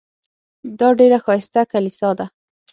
دا ډېره ښایسته کلیسا ده.